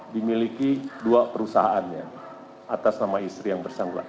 dimiliki dua perusahaannya atas nama istri yang bersangkutan